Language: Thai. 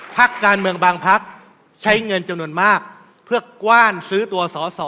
พักการเมืองบางพักใช้เงินจำนวนมากเพื่อกว้านซื้อตัวสอสอ